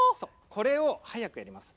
これを速くやります。